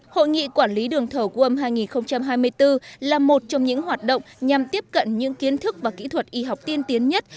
hội nghị quản lý đường thở wom hai nghìn hai mươi bốn là một trong những hoạt động nhằm tiếp cận những kiến thức và kỹ thuật y học tiên tiến nhất